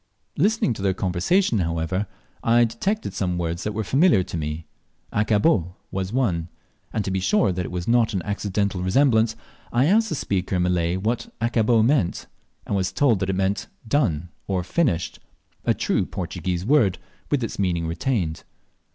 Listening to their conversation, however, I detected some words that were familiar to me. "Accabó" was one; and to be sure that it was not an accidental resemblance, I asked the speaker in Malay what "accabó" meant, and was told it meant "done or finished," a true Portuguese word, with its meaning retained.